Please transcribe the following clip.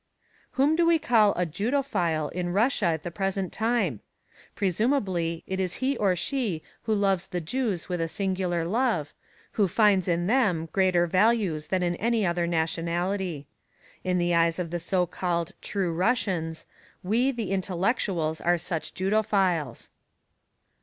Whom do we call a "Judophile" in Russia at the present time? Presumably, it is he or she who loves the Jews with a singular love, who finds in them greater values than in any other nationality. In the eyes of the so called "true Russians" we, the Intellectuals, are such Judophiles.